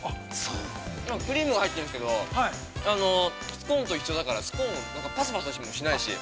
クリームが入ってるんですけどスコーンと一緒だからスコーン、ぱさぱさもしないし。